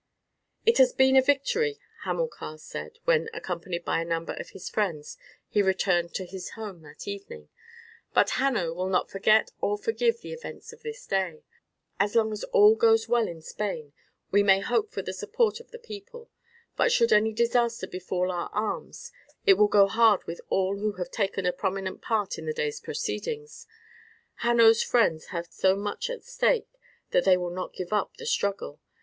"It has been a victory," Hamilcar said, when, accompanied by a number of his friends, he returned to his home that evening, "but Hanno will not forget or forgive the events of this day. As long as all goes well in Spain we may hope for the support of the people, but should any disaster befall our arms it will go hard with all who have taken a prominent part in this day's proceedings. Hanno's friends have so much at stake that they will not give up the struggle.